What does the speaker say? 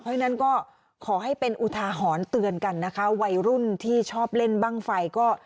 เพราะฉะนั้นก็ขอให้เป็นอุทาหรณ์เตือนกันนะคะวัยรุ่นที่ชอบเล่นบ้างไฟก็